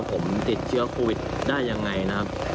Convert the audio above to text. ผมติดเชื้อโควิดได้ยังไงนะครับ